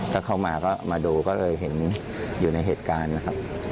ถ้าเข้ามาก็มาดูก็เลยเห็นอยู่ในเหตุการณ์นะครับ